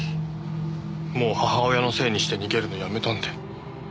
もう母親のせいにして逃げるのやめたんで。